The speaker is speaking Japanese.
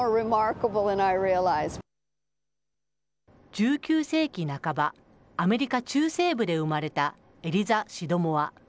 １９世紀半ば、アメリカ中西部で生まれたエリザ・シドモア。